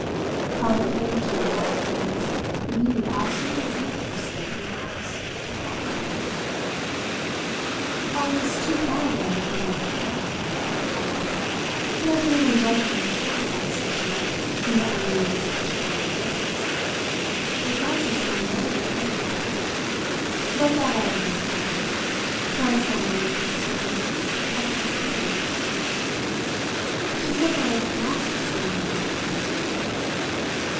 How it came to me now that he was the absolutely safe person in the house to talk of her with! "I was too far away from you to hear," I had gone on; "and I could only judge of her flow of conversation from the animated expression of her face. It was extraordinarily animated. But that, I admit," I added, "strikes one always as a sort of parti pris with her. She's never not extraordinarily animated."